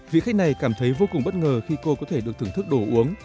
vị khách này cảm thấy vô cùng bất ngờ khi cô có thể được thưởng thức đồ uống